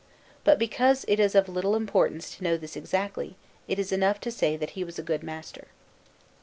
But because it is of little importance to know this exactly, it is enough to say that he was a good master.